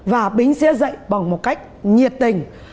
và bính sẽ dạy bằng một cách nhiệt tình